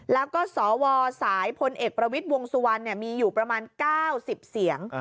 แล้วก็ศวสายพเอกประวิติวงสัวรรรค์มีอยู่ประมาณแค่๙๑๐เสียง